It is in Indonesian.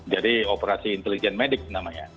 jadi operasi intelijen medis namanya